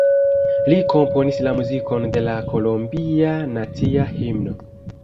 Li komponis la muzikon de la kolombia nacia himno.